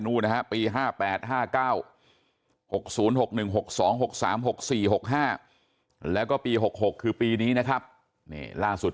นะฮะปี๕๘๕๙๖๐๖๑๖๒๖๓๖๔๖๕แล้วก็ปี๖๖คือปีนี้นะครับนี่ล่าสุด